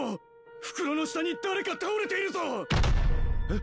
袋の下に誰か倒れているぞッ！